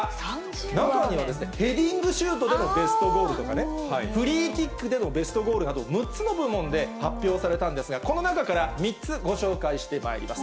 中には、ヘディングシュートでのベストゴールとかね、フリーキックでのベストゴールなど、６つの部門で発表されたんですが、この中から３つご紹介してまいります。